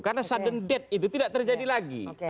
karena sudden death itu tidak terjadi lagi